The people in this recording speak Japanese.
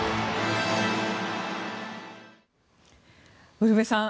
ウルヴェさん